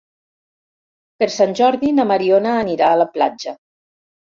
Per Sant Jordi na Mariona anirà a la platja.